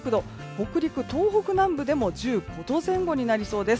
北陸、東北南部でも１５度前後になりそうです。